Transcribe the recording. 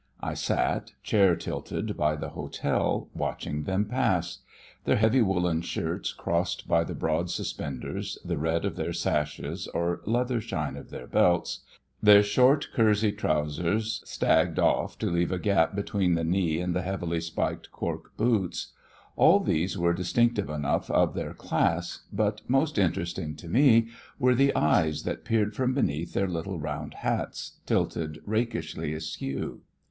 I sat, chair tilted by the hotel, watching them pass. Their heavy woollen shirts crossed by the broad suspenders, the red of their sashes or leather shine of their belts, their short kersey trousers "stagged" off to leave a gap between the knee and the heavily spiked "cork boots" all these were distinctive enough of their class, but most interesting to me were the eyes that peered from beneath their little round hats tilted rakishly askew.